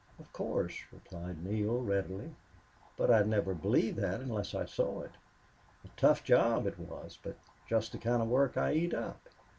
"Of course," replied Neale, readily. "But I'd never believe that unless I saw it. A tough job it was but just the kind of work I eat up."